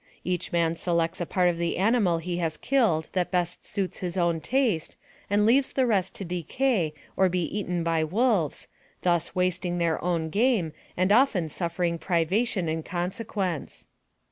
Each man selects the part of the animal he has killed that best suits his own taste, and leaves the rest to decay or be eaten by wolves, thus wasting their own game, and often suffering pri vation in consequence.